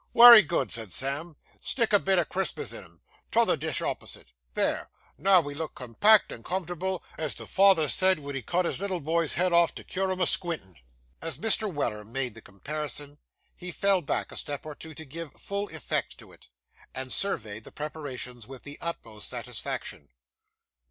'Wery good,' said Sam, 'stick a bit o' Christmas in 'em. T'other dish opposite. There; now we look compact and comfortable, as the father said ven he cut his little boy's head off, to cure him o' squintin'.' As Mr. Weller made the comparison, he fell back a step or two, to give full effect to it, and surveyed the preparations with the utmost satisfaction.